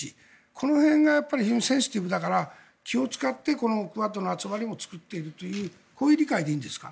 この辺が非常にセンシティブだから気を使ってクアッドの集まりを作っているというこういう理解でいいんですか？